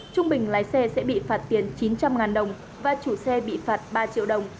trung bình lái xe sẽ bị phạt tiền chín trăm linh đồng và chủ xe bị phạt ba triệu đồng